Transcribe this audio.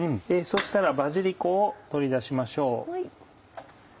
そしたらバジリコを取り出しましょう。